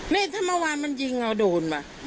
นี่ถ้าเมื่อวานมันยิงเอาโดนมา